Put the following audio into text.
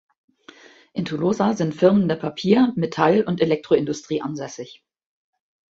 In Tolosa sind Firmen der Papier-, Metall- und Elektroindustrie ansässig.